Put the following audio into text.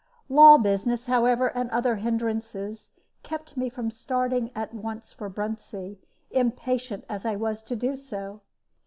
Law business, however, and other hinderances, kept me from starting at once for Bruntsea, impatient as I was to do so.